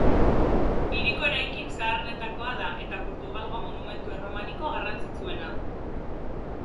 Hiriko eraikin zaharrenetakoa da eta Portugalgo monumentu erromaniko garrantzitsuena.